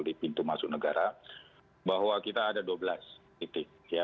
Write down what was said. di pintu masuk negara bahwa kita ada dua belas titik